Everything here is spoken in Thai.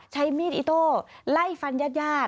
ใช้มีดอิโต้ไล่ฟันญาติญาติ